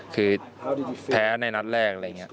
คือแพ้ในนัดแรกอะไรอย่างนี้